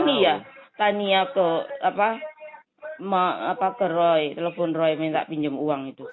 jadi bulan ini ya tania ke roy telepon roy minta pinjam uang itu